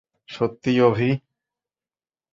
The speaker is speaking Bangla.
সত্যিই, অভি!